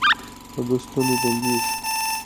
د ده ستونی بندېږي.